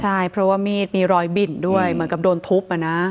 ใช่เพราะว่ามีดมีรอยบิ่นด้วยเหมือนกับโดนทุบ